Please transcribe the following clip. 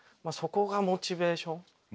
そこがモチベーション。